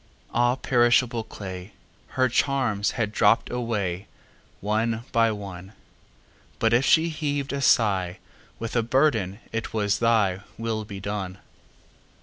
Ah, perishable clay! Her charms had dropp'd awayOne by one; But if she heav'd a sighWith a burden, it was, "ThyWill be done."